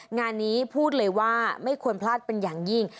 งานนี้พูดเลยว่าไม่ควรพลาดเป็นอย่างยิ่ง